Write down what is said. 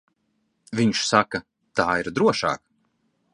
Viņš saka, tā ir drošāk.